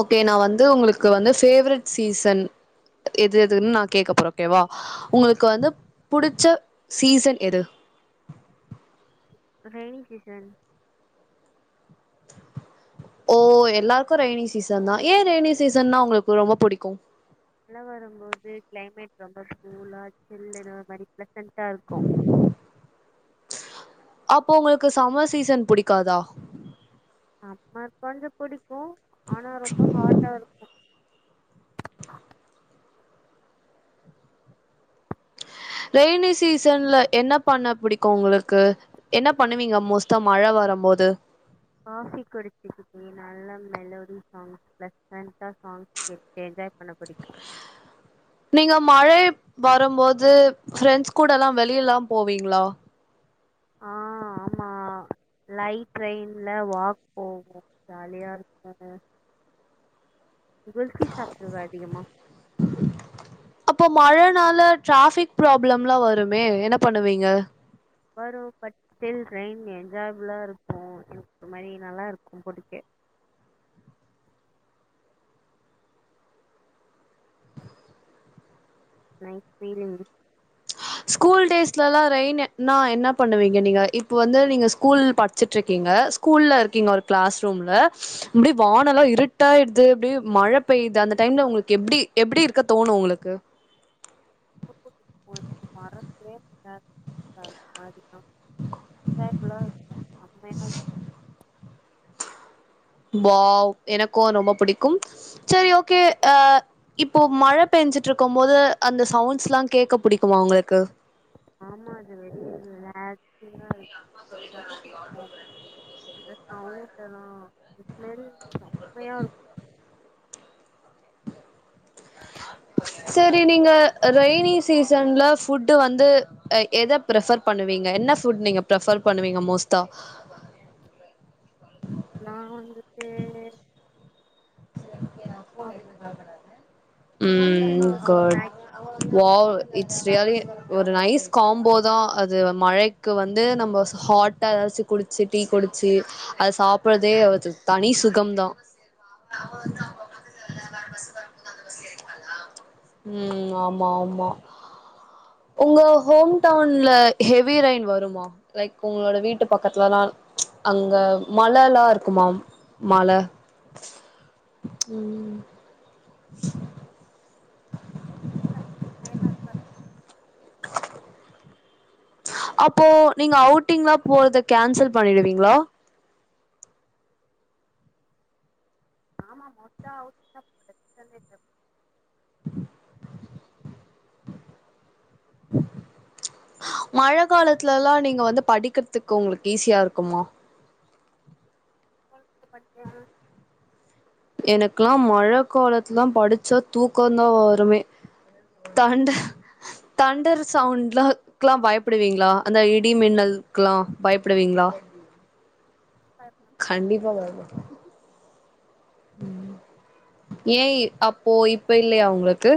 okay நா வந்து உங்களுக்கு வந்து ஃபேவரட்டு சீசன் எது எதுன் நா கேக்க போற ஓகேவா உங்களுக்கு வந்து புடிச்ச சீசன் எது ரையினி சீசன் ஓ எல்லாருக்கு ரையினி சீசன் தா ஏ ரெயினி சீசன்ன்னா உங்களுக்கு ரொம்ப புடிக்கு மழவரம் போது கிளைமேட் ரொம்ப கூலா சில்லுனு ஒரு மாரி பிளசன்டா இருக்கு அப்ப உங்களுக்கு சம்மர் சீசன் புடிக்காதா அப்ப கொஞ்ச புடிக்கு ஆனா ரொம்ப ஹாட்டா இருக்கு ரெய்னி சீசன்ல என்ன பண்ண புடிக்கு உங்ளுக்கு என்ன பண்ணுவீங்க மோஸ்ட்டா மழ வரம்போது காஃபி குடிச்சிக்கிட்டு நல்ல மெலோடி சாங்ஸ் பிளஸ்சன்ட்டா சாங் கேட்டு என்ஜாய் பண்ண பிடிக்கு நீங்க மழை வரம்போது ஃப்ரெண்ட்ஸ் கூடலா வெளியலா போவீங்ளா ஆ ஆமா லைட் ட்ரெயின்ல வாக் போவோ ஜாலியா இருக்கு குல்ஃபி சாப்டுவ அதிகமா உ அப்போ மழனால ட்ரராஃபிக் ப்ராப்ளம்லா வருமே என்ன பண்ணுவீங்க வரு பட் ஸ்டில் ரெயின் என்ஜாய்புல்லா இருக்கு எனக்கு ஒரு மாரி நல்லாருக்கு புடிக்க நைட் பீலிங் ஸ்கூல் டேஸ்லலா ரெயின்ன னா என்ன பண்ணுவீங்க நீங்க இப்ப வந்து நீங்க ஸ்கூல் படிச்சிட்ருக்கீங்க கூல்ல இருக்கீங்க ஒரு கிளாஸ் ரூம்ல அப்டே வானலா இருட்டாயிடுது அப்டியே மழ பேயிது அந்த டைம்ல உங்களுக்கு எப்டி எப்டி இருக்க தோணு உங்களுக்கு [unintelligible] என்ஜியிபுல்லா இருக்கு நம்ம என்ன வாவ் எனக்கு ரொம்ப புடிக்கும் சேரி ஓகே அ இப்போ மழ பெஞ்சுட்ருக்கம் போது அந்த சவுண்ட்ஸ்லா கேக்க புடிக்குமா உங்களுக்கு ஆமா அது வேரி ரிலாக்சிங்கா இரு எனக் ரொம்ப புடிக்கு அந்த சவுண்டேல்லா [unintelligible] ம்மயா இருக் சரி நீங்க ரெய்னி சீசன்ல ஃபுட்டு வந்து அ எத பிரஃபர் பண்ணுவீங்க என்ன ஃபுட் நீங்க பிரஃபர் பண்ணுவீங்க மோஸ்ட்டா நான் வந்துட்டு சாப்பிட்டா ம் குட் மேக்ஸில் வாவ் இட்ஸ் ரியலி ஒரு நைஸ் காம்போதா அது மழைக்கு வந்து நம்ம ஹாட்டா எதாச்சு குடிச்சு டீ குடிச்சு அத சாப்புறதே அது தனி சுகம்தா [unintelligible] ம் ஆமா ஆமா உங்க ஹோம் டவுன்ல ஹெவி ரெய்ன் வருமா லைக் உங்குளோட வீட்டு பக்கத்துலலா அங்க மழலா இருக்குமா மழ ம் இல்ல அப்டியெலா இருக்காது அப்போ நீங்க அவுட்டிங்லா போறத கேன்சல் பண்ணிடுவீங்ளா ஆமா மொத அவுட்டிங்கா மழ கெள்மிட்டோ மழ காலத்துலலா நீங்க வந்து படிக்கற்துக்கு உங்களுக்கு ஈஸியா இருக்குமா டொல்த்து படிச்ச எனக்குலா மழ காலத்துலா படிச்சா தூக்கோந்தா வருமே தண்ட தண்டர் சவுண்ட்ல க்லா பயப்புடுவீங்ளா அந்த இடி மின்னலுக்லா பயப்புடுவீங்ளா ஆ பயப்புவ கண்டிப்பா பயப்பு ஏன்யி அப்போ இப்ப இல்லையா உங்ளுக்கு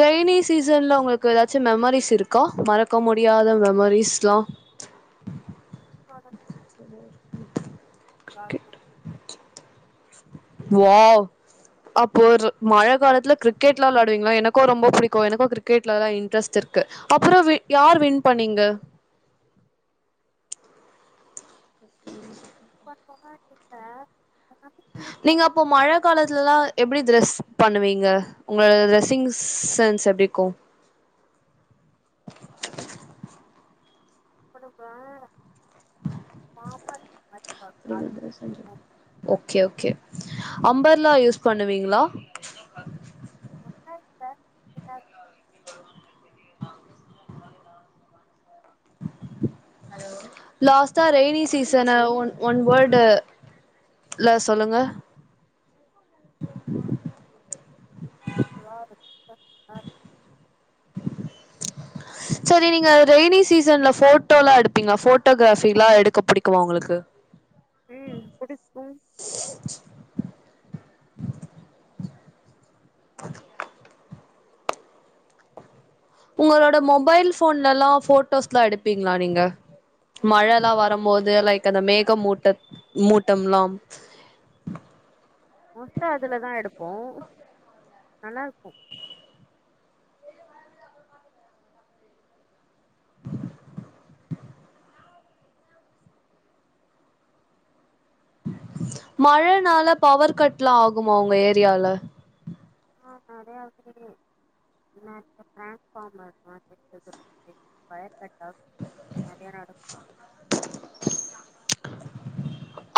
ரெய்னி சீசன்ல உங்களுக்கு எதாச்சு மெமரிஸ் இருக்கா மறக்க முடியாத மெமரிஸ்லா அவாதா விளாட்னோ வாவ் அப்போ ஒரு மழ காலத்துல கிரிக்கெட்லா விளாடுவீங்ளா எனக்கோ ரொம்ப பிடிக்கு எனக்கு பிடிக்கு எனக்கு கிரிக்கெட்லலா இன்ட்ரெஸ்ட் இருக்கு அப்புறோ வி யார் வின் பண்ணீங்க ஃபஸ்ட் [unintelligible] பண்வாங்க கேக்குதா நீங்க அப்போ மழ காலத்துலலா எப்டி த்ரெஸ் பண்ணுவீங்க உங்க ட்ரெஸ்ஸிங்கு சென்ஸ் எப்டிர்க்கு போட்டுப்ப பாப்பா மாதிப்பா என்ன சொல்றீங் ஓகே ஓகே அம்பர்லா யூஸ் பண்ணுவீங்ளா அப்டிலா இல்ல இதுக்கா லாஸ்ட்டா ரெய்னி சீசன ஒன் ஒன் வேடு ல சொல்லுங்க புலா இருக் [inaudible] சரி நீங்க ரெயினி சீசன்ல போட்டோலா எடுப்பீங்ளா போட்டோகிராஃபிலா எடுக்க புடிக்குமா ஒங்களுக்கு ம் புடிக்கு [unintelligible] உங்களோட மொபைல் போன்லலா போட்டோஸ்லா எடுப்பீங்ளா நீங்க மோஸ்ட்டா மழலா அதுலதா வரம்போது லைக் அந்த மேகமூட்டத் மூட்டம்லா மோஸ்ட்ட அதுல தா எடுப்போ நல்லாருக்கு மழனால பவர் கட்ல்லா ஆகுமா உங்க ஏரியால ஆ நெறையா [inaudible] நேத்து டிரான்ஸ்பாமர் மாத்திட்டு [inaudible] பவர் கட் ஆ அது நெறையா நடக்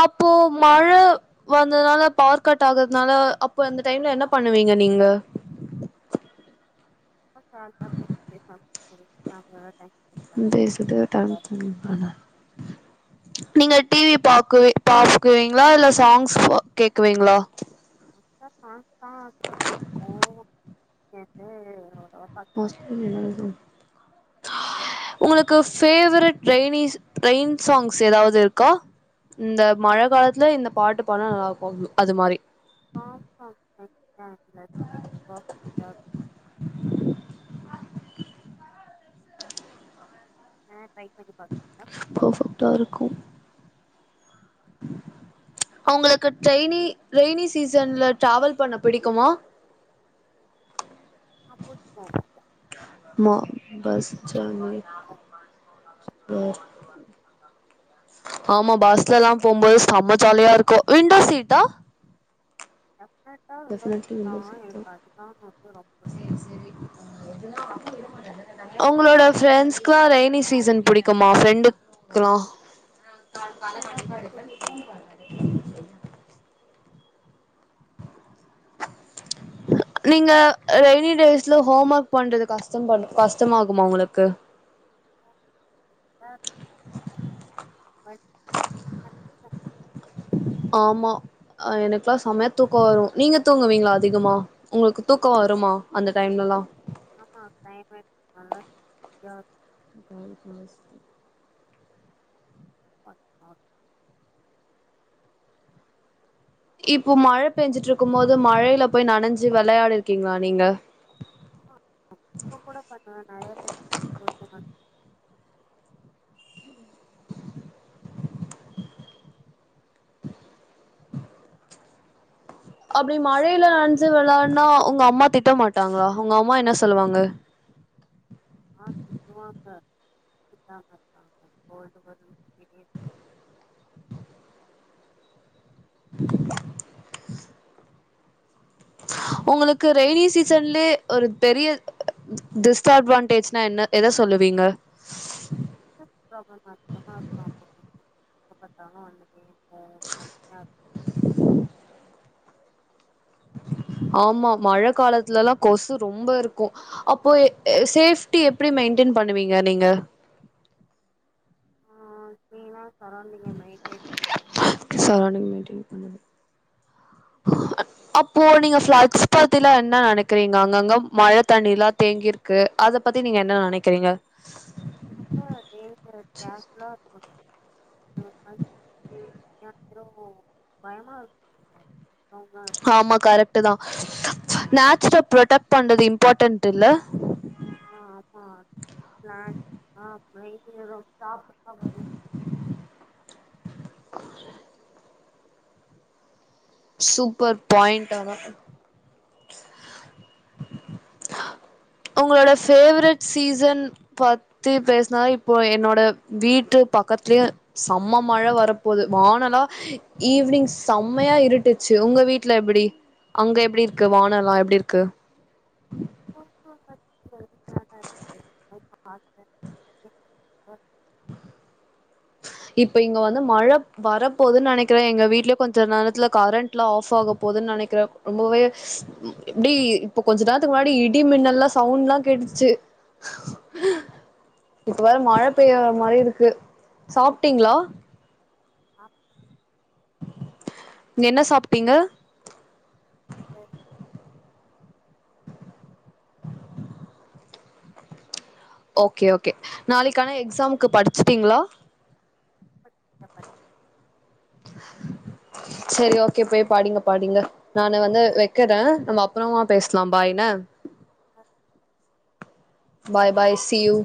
அப்போ மழ வந்ததுனால பவர் கட் ஆகுறதுனால அப்போ அந்த டைம்ல என்ன பண்ணுவீங்க நீங்க [unintelligible] [inaudible] நல்லா நீங்க டி வி பாக்குவி பாக்குவீங்ளா இல்ல சாங்ஸ் கேக்குவீங்ளா [unintelligible] சாங்ஸ்தா கேக்க புடிக்கு [inaudible] சேரி எல்லா [inaudible] உங்குளுக்கு ஃபேவரெட் ரெய்னிஸ் ரெயின் சாங்ஸ் எதாவது இருக்கா இந்த ஆமா மழ ஆமா காலத்துல இந்த பாட்டு பாட்னா நல்லாருக்கு அது மாரி [unintelligible] ப்ராஃபிட் ஆ ட்ரை பண்ணி பா பர்ஃபெக்ட்டா இருக்கு அவுங்களுக்கு டெய்னி ரெய்னி சீசன்ல ட்ராவல் பண்ண பிடிக்குமா ஆ போட்டே மா பஸ் சேன்வரி [inaudible] ஆமா பஸ்லல்லா போம் போது செம ஜாலியா இருக்கு விண்டோ சீட்டா பர்ஃபெக்ட்டா உள்ள டெஃபினெட்லி தா விண்டோ சீட் எனக்கு அதுதா வந்து ரொம்ப புடிக் எதுனா வர [inaudible] ஒங்ளோட ஃப்ரெண்ட்ஸ்க்குலா ரெயினி சீசன் புடிக்குமா ஃப்ரெண்டுகுல்லா எல்லாருக்கு கொட் [inaudible] நீங்க ரெய்னி டேஸ்ல ஹோம் ஒர்க் பண்றது கஷ்ட பண் கஷ்டமாகுமா உங்களுக்கு [unintelligible] [unintelligible] ஆமா ஆ எனக்குலா செமையா தூக்க வரு நீங்க தூங்குவீங்ளா அதிகமா உங்களுக்கு தூக்க வருமா அந்த டைம்லல்லா ஆமா கிளைமேட் நல்லா ஜா [inaudible] [unintelligible] இப்போ மழ பெஞ்சிட்ருக்கு மோது மழைல போய் நனஞ்சி வெளையாடிர்க்கீங்ளா நீங்க ஆ இப்போ கூட பாத்தனா நெறையா பேர் [inaudible] அப்டி மழைல நன்ஞ்சு விளான்னா உங்க அம்மா திட்ட மாட்டாங்ளா உங்க அம்மா என்ன சொல்லுவாங்க ஆ திட்டுவாங்க திட்டாமாருப்பாங்ளா கோல்டு வரு வெளியே வா [inaudible] உங்களுக்கு ரெய்னி சீசன்லயே ஒரு பெரிய டிஸ்ட் அட்வான்டேஜ்னா என்ன எத சொல்லுவீங்க [unintelligible] அப்ப மட்டு [unintelligible] ஆமா மழ காலத்துலல்லா கொசு ரொம்ப இருக்கு அப்போ சேஃப்டி எப்டி மெயின்டென் பண்ணுவீங்க நீங்க ஆ கிளீனா சரௌண்டிங்க மெயின்டெய்ன் பண் சரௌண்டிங் மீட்டி [unintelligible] அப்போ நீங்க ப்ளக்ஸ் பத்திலா என்ன நெனக்கிறீங்க அங்கங்க மழ தண்ணில்லா தேங்கிரு க்கு அத பத்தி நீங்க என்ன நெனைக்கிறீங்க [unintelligible] இருக்கணும் [unintelligible] [unintelligible] பயமா [unintelligible] ஆமா கரெக்ட்டு தா நேச்சுர ப்ரொடெக்ட் பண்றது இம்பார்ட்டன்ட் இல்ல ஆ அத [unintelligible] [inaudible] சூப்பர் பாயிண்ட் ஆனா உங்களோட ஃபேவரெட் சீசன் பத்தி பேசுனா இப்போ என்னோட வீட்டு பக்கத்துலயு செம்ம மழ வரப்போது வானலா ஈவி்னிங் செம்மையா இருட்டுச்சு உங்க வீட்டு்ல எப்டி அங்க எப்டி இருக்கு வானலா எப்டி இருக்கு [inaudible] [unintelligible] இப்ப இங்க வந்து மழ வரப்போதுன்னு நெனைக்கிற எங்க வீட்லயே கொஞ்ச நேரத்துல கரண்ட் ல ஆஃப் ஆக போதுன்னு நெனைக்கிற ரொம்பவே டி இப்ப கொஞ்ச நேரத்துக்கு முன்னாடி இடி மின்னல்லா சவுண்ட்ல்லா கேட்டுச்சு இப்ப வேற மழ பெய்யற மாரி இருக்கு சாப்டீங்களா அ என்ன சாப்பிட்டீங்க அ ஓகே ஓகே நாளைக்கான எக்ஸாமுக்கு படிச்சுட்டீங்களா [unintelligible] செரி ஓகே போய் படிங்க படிங்க நானு வந்து வெக்கறே நம்ம அப்புறமா பேசலா பாய் என்ன பாய் பாய் சியூ